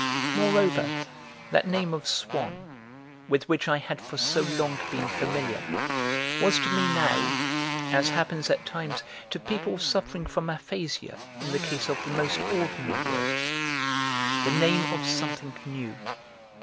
Moreover, that name of Swann, with which I had for so long been familiar, was to me now (as happens at times to people suffering from aphasia, in the case of the most ordinary words) the name of something new.